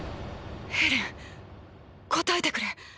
エレン答えてくれ。